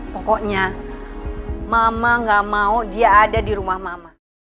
pokoknya mama gak mau dia ada di rumah mama